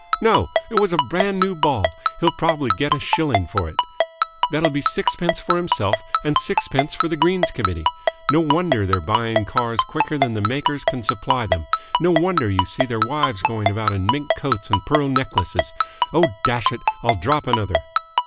No, it was a brand new ball. He'll probably get a shilling for it. That'll be sixpence for himself and sixpence for the Greens Committee. No wonder they're buying cars quicker than the makers can supply them. No wonder you see their wives going about in mink coats and pearl necklaces. Oh, dash it! I'll drop another!"